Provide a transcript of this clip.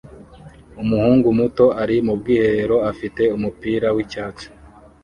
Umuhungu muto ari mubwiherero afite umupira wicyatsi